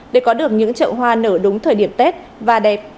để có được những trậu hoa nở đúng thời điểm tết và đẹp